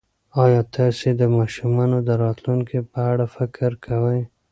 ایا تاسي د ماشومانو د راتلونکي په اړه فکر کوئ؟